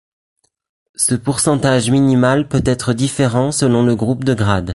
Ce pourcentage minimal peut être différent selon le groupe de grade.